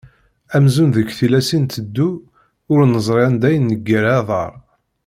Amzun deg tillas i nteddu, ur neẓri anda i neggar aḍar.